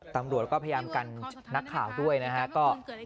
ตำรวจก็พยายามกันนักข่าวด้วยนะฮะ